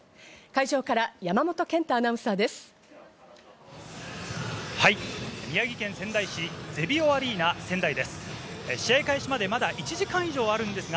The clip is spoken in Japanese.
会場から山本健太アナウンサーです。